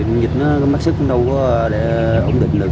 con vịt nó mất sức nó đâu có để ổn định được